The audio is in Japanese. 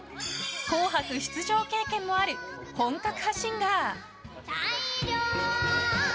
「紅白」出場経験もある本格派シンガー。